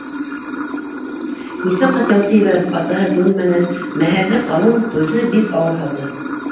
— Нисә ҡат яусы ебәреп, атаһы күнмәне, мәһәрҙе, ҡалым, туйҙы бик ауыр һалды.